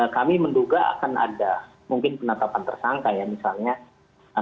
kami menduga akan ada mungkin penetapan tersangka ya misalnya